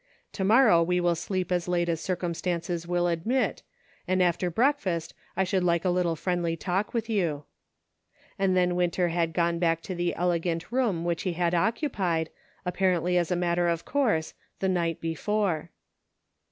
To morrow we will sleep as late as circumstances will admit, and after breakfast I should like a little friendly talk with you." And then Winter had gone back to the elegant room which he had occu pied, apparently as a matter of course, the night before.